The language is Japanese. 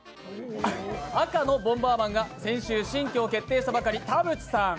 赤のボンバーマンが先週新居を決定したばかり、田渕さん。